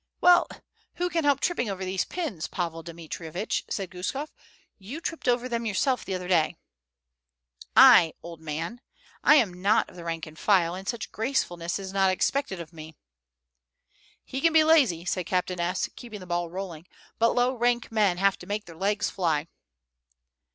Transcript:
"Well, who can help tripping over these pins, Pavel Dmitrievitch?" said Guskof. "You tripped over them yourself the other day." "I, old man, [Footnote: batiushka] I am not of the rank and file, and such gracefulness is not expected of me." "He can be lazy," said Captain S., keeping the ball rolling, "but low rank men have to make their legs fly."